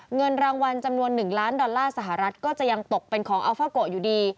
เงินรางวัลจำนวน๑ล้านดอลลาร์สหรัฐก็จะยังตกเป็นของอัลฟาโกะอยู่ดี